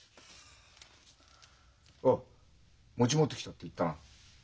おい「餅持ってきた」って言ったな？